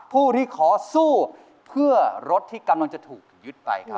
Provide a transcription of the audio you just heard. ผู้ขอสู้เพื่อรถที่จะถูกยึดไป